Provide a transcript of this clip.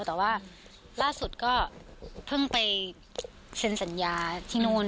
แต่ว่าล่าสุดก็เพิ่งไปเซ็นสัญญาที่นู่น